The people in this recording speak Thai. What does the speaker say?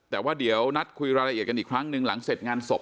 แต่ว่าเดี๋ยวนัดคุยรายละเอียดกันอีกครั้งหนึ่งหลังเสร็จงานศพ